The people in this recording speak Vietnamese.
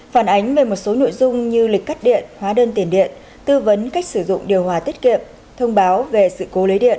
phản ánh về một số nội dung như lịch cắt điện hóa đơn tiền điện tư vấn cách sử dụng điều hòa tiết kiệm thông báo về sự cố lưới điện